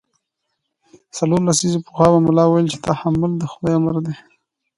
څلور لسیزې پخوا به ملا ویل چې تحمل د خدای امر دی.